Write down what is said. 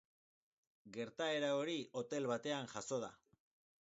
Gertaera hori hotel batean jazo da.